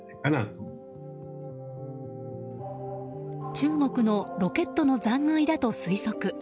中国のロケットの残骸だと推測。